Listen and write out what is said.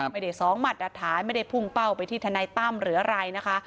ไม่ได้สองหมัดอัดท้ายไม่ได้พุงเป้าไปที่ธนัยตั้มหรืออะไรนะคะ